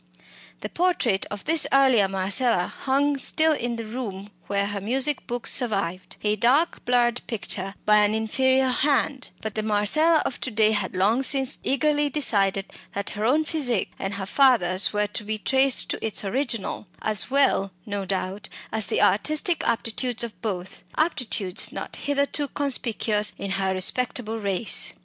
The portrait of this earlier Marcella hung still in the room where her music books survived, a dark blurred picture by an inferior hand; but the Marcella of to day had long since eagerly decided that her own physique and her father's were to be traced to its original, as well, no doubt, as the artistic aptitudes of both aptitudes not hitherto conspicuous in her respectable race.